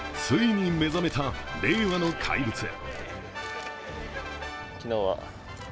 ついに目覚めた令和の怪物。